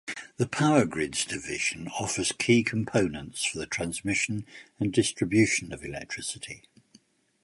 The Power Grids division offers key components for the transmission and distribution of electricity.